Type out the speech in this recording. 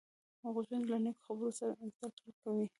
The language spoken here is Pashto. غوږونه له نیکو خبرو زده کړه کوي